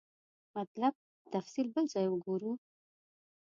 مطلب تفصیل بل ځای وګورو.